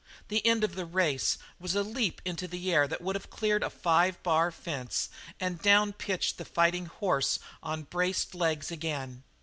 The end of the race was a leap into the air that would have cleared a five bar fence, and down pitched the fighting horse on braced legs again.